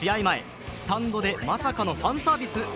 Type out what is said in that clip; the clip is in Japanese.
前、スタンドでまさかのファンサービス。